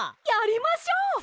やりましょう！